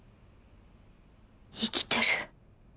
生きてる。